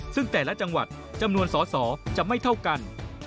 ซึ่งแต่ละจังหวัดจำนวนสอสอจะไม่เท่ากัน